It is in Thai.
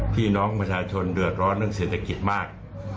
พี่น้องประชาชนเดือดร้อนเรื่องเศรษฐกิจมาก